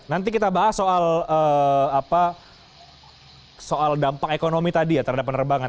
nanti kita bahas soal dampak ekonomi tadi ya terhadap penerbangan